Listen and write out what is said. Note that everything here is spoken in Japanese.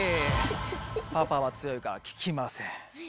パパは強いから効きません。